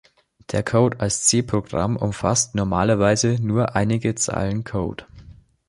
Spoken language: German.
Der Code als C-Programm umfasst normalerweise nur einige Zeilen Code.